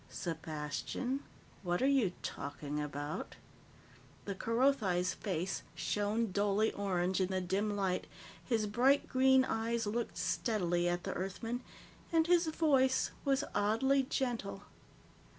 "Sepastian, what are you talking about?" The Kerothi's face shone dully orange in the dim light, his bright green eyes looked steadily at the Earthman, and his voice was oddly gentle.